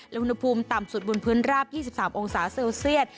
และอุณหภูมิต่ำสุดบนพื้นราบ๒๓องศาเซลเซียต